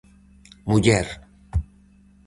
Muller!